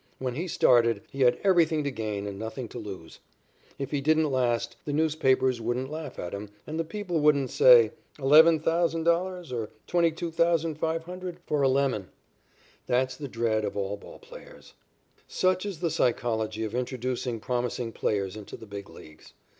When he started, he had everything to gain and nothing to lose. If he didn't last, the newspapers wouldn't laugh at him, and the people wouldn't say: "$11,000, or $22,500, for a lemon." That's the dread of all ball players. Such is the psychology of introducing promising pitchers into the Big Leagues.